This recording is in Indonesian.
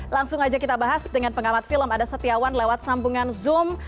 langsung aja kita bahas dengan pengamat film ada setiawan lewat sambungan zoom